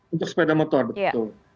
untuk sepeda motor betul